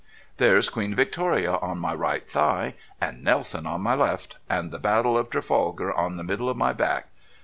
"There's Queen Victoria on my right thigh and Nelson on my left, and the battle of Trafalgar on the middle of my back.